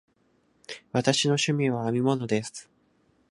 私の趣味は編み物です。